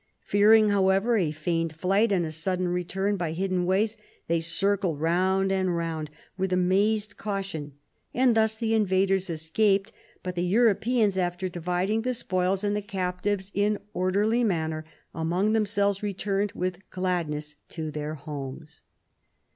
Fearing, however, a feigned flight, and a sudden return by hidden ways, they circled round and round with amazed caution and thus the invaders escaped, but the Europeans after dividing the spoils and the captives in orderly manner among themselves returned with gladness to their homes."